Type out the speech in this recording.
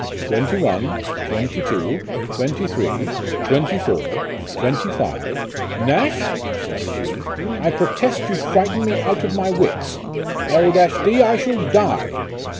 " Twenty one, twenty two, twenty three, twenty four, twenty five." "Nash," says she, "I pro test you frighten me out of my wits. L d, I shall die